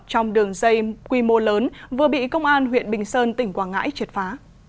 trong đường dây quy mô lớn vừa bị công an huyện bình sơn tỉnh quảng ngãi triệt phá